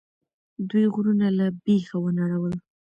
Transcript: دوی غرونه له بیخه ونړول.